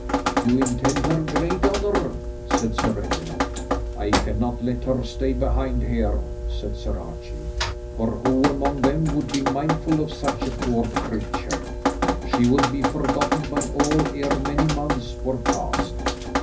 "You intend her great honour," said Sir Reginald. "I cannot let her stay behind here," said Sir Archie, "for who among them would be mindful of such a poor creature? She would be forgotten by all ere many months were past.